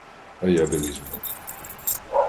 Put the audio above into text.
А я де візьму?